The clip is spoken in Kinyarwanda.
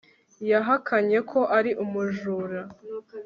yahakanye ko ari umujura